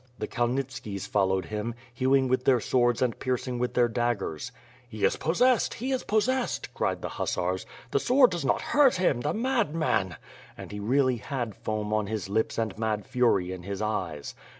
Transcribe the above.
The Kalnitskis followed him, hewing with their swords and piercing with their daggers. *'He is pos sessed! he is possessed!" cried the hussars. '*The sword does not hurt him, the madman!'' And he really had foam on his lips and mad fury in his eyes.